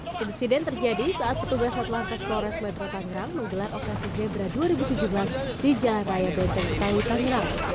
konsiden terjadi saat petugas atas lantas flores metro tanggerang menggelar operasi zebra dua ribu tujuh belas di jalan raya banteng tawu tanggerang